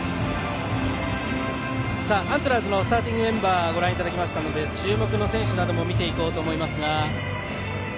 アントラーズはスターティングメンバーをご覧いただきましたので注目の選手なども見ていこうと思います。